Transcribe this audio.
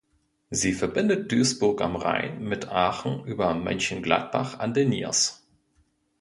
Sie verbindet Duisburg am Rhein mit Aachen über Mönchengladbach an der Niers.